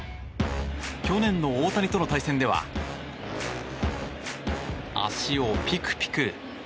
去年の大谷との対戦では足をピクピク。